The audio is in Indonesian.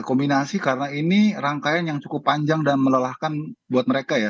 kombinasi karena ini rangkaian yang cukup panjang dan melelahkan buat mereka ya